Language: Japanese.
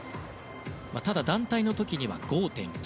ただ、団体の時には５．９。